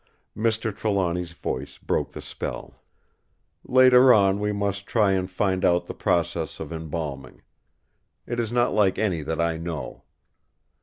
Mr. Trelawny's voice broke the spell: "Later on we must try and find out the process of embalming. It is not like any that I know.